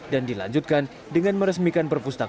dan dilanjutkan dengan meresmikan perusahaan